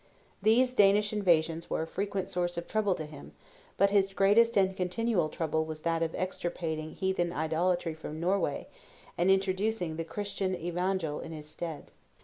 These Danish invasions were a frequent source of trouble to him, but his greatest and continual trouble was that of extirpating heathen idolatry from Norway, and introducing the Christian Evangel in its stead.